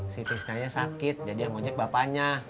si tisnanya sakit jadi yang mau ajak bapaknya